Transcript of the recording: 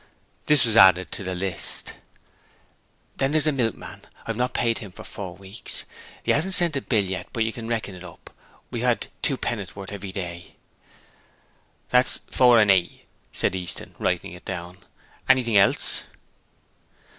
This was added to the list. 'Then there's the milkman. I've not paid him for four weeks. He hasn't sent a bill yet, but you can reckon it up; we have two penn'orth every day.' 'That's four and eight,' said Easton, writing it down. 'Anything else?'